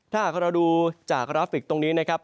ถ้าหากเราดูจากกราฟิกตรงนี้นะครับ